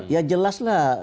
ya jelas lah